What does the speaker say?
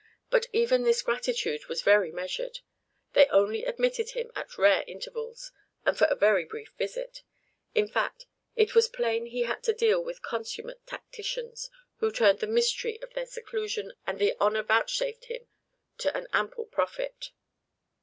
But even this gratitude was very measured; they only admitted him at rare intervals, and for a very brief visit. In fact, it was plain he had to deal with consummate tacticians, who turned the mystery of their seclusion and the honor vouchsafed him to an ample profit."